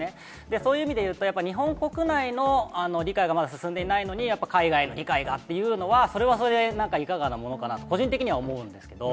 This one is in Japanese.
そういう意味でいうと、やっぱり日本国内の理解がまだ進んでいないのに、やっぱ海外の理解がっていうのは、それはそれで、なんかいかがなものかなと、個人的には思うんですけど。